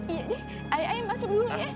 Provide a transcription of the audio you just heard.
iya iya ayah masuk dulu ya